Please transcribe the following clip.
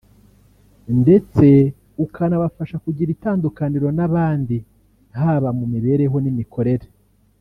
ndetse ukanabafasha kugira itandukaniro n’abandi haba mu mibereho n’imikorere